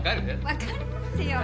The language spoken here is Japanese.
分かりますよ。